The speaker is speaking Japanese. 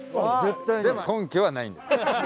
でも根拠はない。